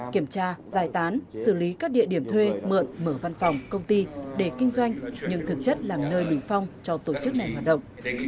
kiểm tra giải tán xử lý các địa điểm thuê mượn mở văn phòng công ty để kinh doanh nhưng thực chất làm nơi bình phong cho tổ chức này hoạt động